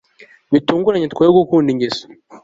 ibitunganye, twoye gukunda ingeso